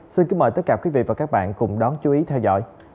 xin kính mời tất cả quý vị và các bạn cùng đón chú ý theo dõi